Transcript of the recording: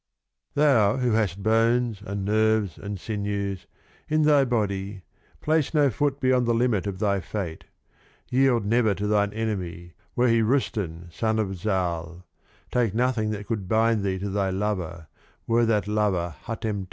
(415) Thou, who hast Bones, and Nerves, and Sinews, in thy Body, place no Foot beyond the Limit of thy Fate. Yield never to thine Enemy, were he Rustan son of Zal. Take nothing that could bind thee to thy Lover, were that Lover Hatem Tai.